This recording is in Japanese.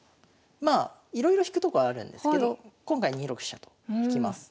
まあいろいろ引くとこあるんですけど今回２六飛車と引きます。